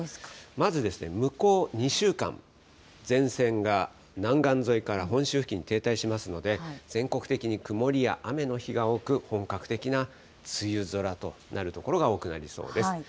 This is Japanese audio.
まず向こう２週間、前線が南岸沿いから本州付近に停滞しますので、全国的に曇りや雨の日が多く、本格的な梅雨空となる所が多くなりそうです。